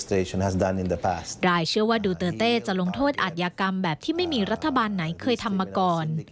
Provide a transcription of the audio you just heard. เชื่อว่าดูเตอร์เต้จะลงโทษอาทยากรรมแบบที่ไม่มีรัฐบาลไหนเคยทำมาก่อน